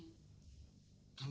kalau tidak berhasil